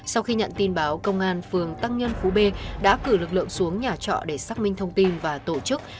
sau khi nhận tin báo công an phường tăng nhân phú b đã cử lực lượng xuống nhà trọ để xác minh thông tin và tổ chức